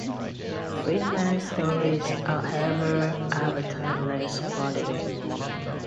Freedman's stories, however, have a timeless quality.